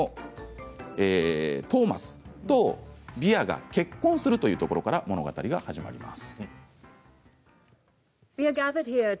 トーマスとビアが結婚するというところから物語が始まります。